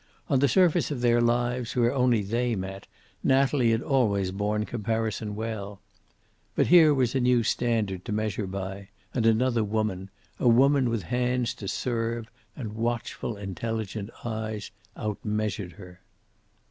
On the surface of their lives, where only they met, Natalie had always borne comparison well. But here was a new standard to measure by, and another woman, a woman with hands to serve and watchful, intelligent eyes, outmeasured her.